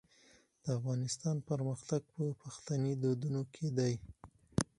د افغانستان پرمختګ په پښتني دودونو کې دی.